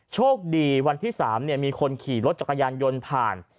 โชคดีวันที่๓มีคนขี่รถจักรยานยนต์ผ่าน